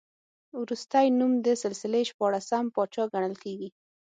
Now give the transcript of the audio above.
وروستی نوم د سلسلې شپاړسم پاچا ګڼل کېږي.